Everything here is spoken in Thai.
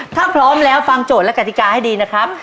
ถ้าพร้อมแล้วฟังโจทย์และกติกาให้ดีนะครับ